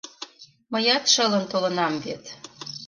Мыят шылын толынам вет...